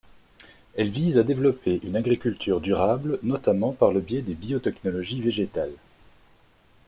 Elle vise à développer une agriculture durable, notamment par le biais des biotechnologies végétales.